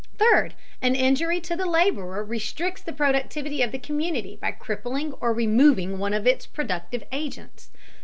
Third, an injury to the laborer restricts the productivity of the community by crippling or removing one of its productive agents.